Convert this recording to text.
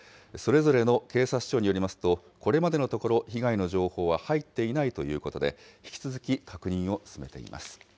それぞれの警察署によりますと、これまでのところ、被害の情報は入っていないということで、引き続き確認を進めています。